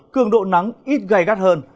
cường độ nắng ít gây gắt hơn